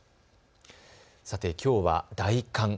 さて、きょうは大寒。